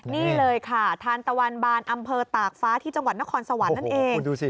นี่เลยค่ะทานตะวันบานอำเภอตากฟ้าที่จังหวัดนครสวรรค์นั่นเอง